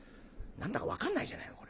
「何だか分かんないじゃないのこれ。